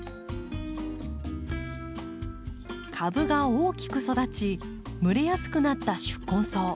株が大きく育ち蒸れやすくなった宿根草。